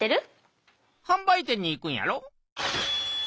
はん売店に行くんやろ？